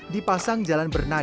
di pasang jalan tol transjawa